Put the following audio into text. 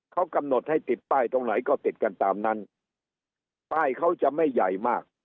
เขากำหนดให้ติดป้ายตรงไหนก็ติดกันตามนั้นป้ายเขาจะไม่ใหญ่มาก